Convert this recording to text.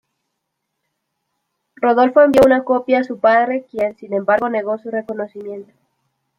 Rodolfo envió una copia a su padre, quien, sin embargo, negó su reconocimiento.